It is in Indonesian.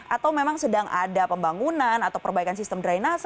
atau memang sedang ada pembangunan atau perbaikan sistem drainase